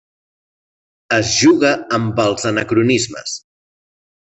Es juga amb els anacronismes.